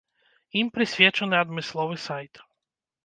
Ім прысвечаны адмысловы сайт.